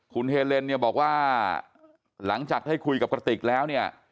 คุณเฮเลนเนี่ยบอกว่าหลังจากได้คุยกับกระติกแล้วเนี่ย